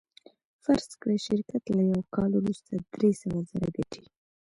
فرض کړئ شرکت له یوه کال وروسته درې سوه زره ګټي